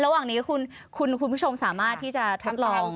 ระหว่างนี้คุณผู้ชมสามารถที่จะทดลอง